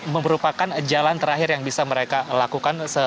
merupakan jalan terakhir yang bisa mereka lakukan